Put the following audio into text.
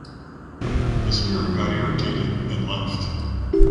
The spirit got irritated and left.